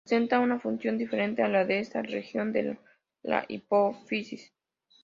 Presenta una función diferente a la de esta región de la hipófisis.